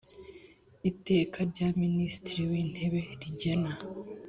Iteka rya Minisitiri w Intebe rigena